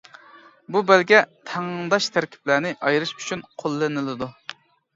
بۇ بەلگە تەڭداش تەركىبلەرنى ئايرىش ئۈچۈن قوللىنىلىدۇ.